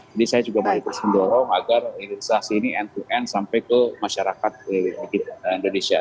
jadi saya juga mau disendorong agar hilirisasi ini end to end sampai ke masyarakat indonesia